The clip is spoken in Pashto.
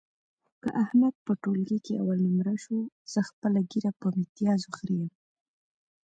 که احمد په ټولګي کې اول نمره شو، زه خپله ږیره په میتیازو خرېیم.